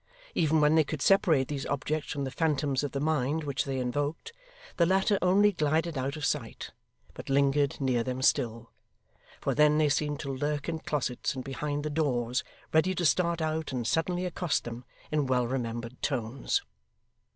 Even when they could separate these objects from the phantoms of the mind which they invoked, the latter only glided out of sight, but lingered near them still; for then they seemed to lurk in closets and behind the doors, ready to start out and suddenly accost them in well remembered tones.